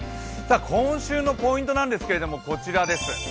今週のポイントなんですけれどもこちらです。